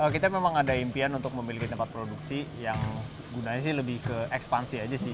kita memang ada impian untuk memiliki tempat produksi yang gunanya sih lebih ke ekspansi aja sih